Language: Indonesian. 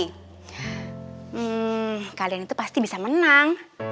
hmm kalian itu pasti bisa menang